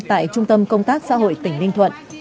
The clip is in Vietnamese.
tại trung tâm công tác xã hội tỉnh ninh thuận